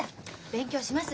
勉強します。